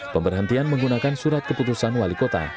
pemberhentian menggunakan surat keputusan wali kota